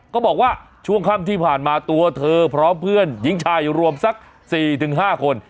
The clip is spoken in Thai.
บอกว่าช่วงค่ำที่ผ่านมาตัวเธอพร้อมเพื่อนหญิงชายรวมสัก๔๕คน